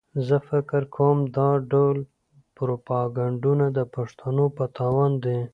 زه فکر کوم دا ډول پروپاګنډونه د پښتنو په تاوان دي.